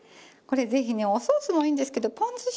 これぜひねおソースもいいんですけどぽん